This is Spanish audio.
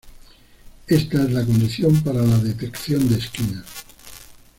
Ésta es la condición para la detección de esquinas.